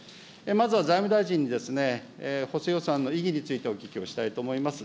まずは財務大臣に、補正予算の意義についてお聞きをしたいと思います。